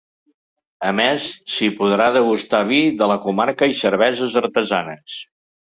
A més, s’hi podrà degustar vi de la comarca i cerveses artesanes.